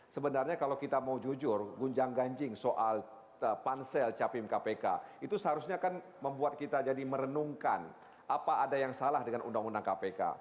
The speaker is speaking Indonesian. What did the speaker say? sebenarnya kalau kita mau jujur gunjang ganjing soal pansel capim kpk itu seharusnya kan membuat kita jadi merenungkan apa ada yang salah dengan undang undang kpk